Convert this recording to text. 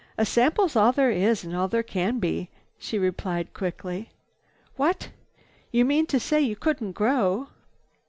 "A sample's all there is and all there can be," she replied quickly. "What! You mean to say you couldn't grow?"